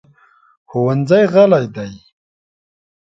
ښوونځی غلی دی.